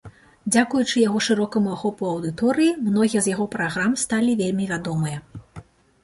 Дзякуючы яго шырокаму ахопу аўдыторыі, многія з яго праграм сталі вельмі вядомыя.